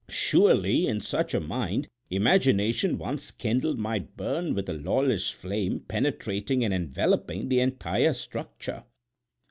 Surely in such a mind imagination once kindled might burn with a lawless flame, penetrating and enveloping the entire structure.